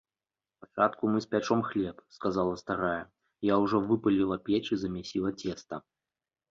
- Спачатку мы спячом хлеб, - сказала старая, - я ўжо выпаліла печ і замясіла цеста